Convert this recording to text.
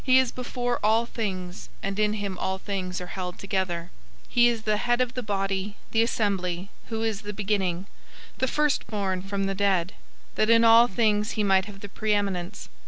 001:017 He is before all things, and in him all things are held together. 001:018 He is the head of the body, the assembly, who is the beginning, the firstborn from the dead; that in all things he might have the preeminence.